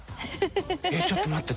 ちょっと待って。